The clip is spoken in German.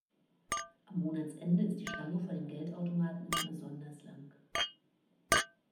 Am Monatsende ist die Schlange vor dem Geldautomaten immer besonders lang.